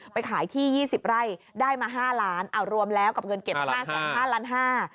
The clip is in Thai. ไปขายที่ยี่สิบไร่ได้มาห้าล้านเอารวมแล้วกับเงินเก็บห้าแสนห้าล้านห้า